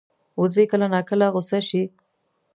وزې کله ناکله غوسه شي